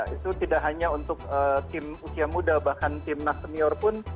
itu tidak hanya untuk tim usia muda bahkan timnas senior pun